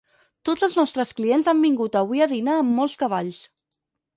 Tots els nostres clients han vingut avui a dinar amb molts cavalls.